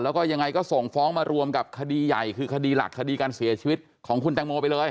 แล้วก็ยังไงก็ส่งฟ้องมารวมกับคดีใหญ่คือคดีหลักคดีการเสียชีวิตของคุณแตงโมไปเลย